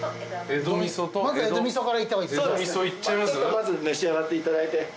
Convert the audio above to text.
まず召し上がっていただいて。